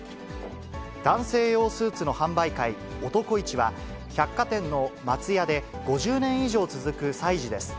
男性用スーツの販売会、男市は、百貨店の松屋で５０年以上続く催事です。